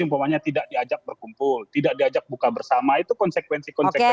umpamanya tidak diajak berkumpul tidak diajak buka bersama itu konsekuensi konsekuensi